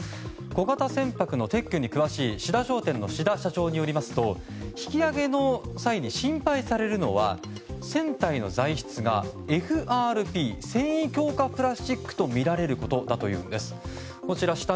小型船舶の撤去に詳しい信太商店の信太さんによりますと引き揚げの際に心配されるのは船体の材質がＦＲＰ・繊維強化プラスチックだとみられることだといいます。